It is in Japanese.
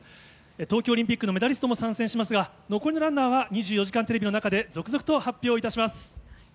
東京オリンピックのメダリストも参戦しますが、残りのランナーは２４時間テレビの中で続々と発表いたします。